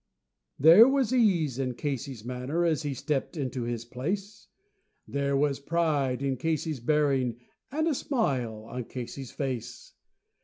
There was ease in Casey's manner as he stepped into his place, There was pride in Casey's bearing, and a smile on Casey's face.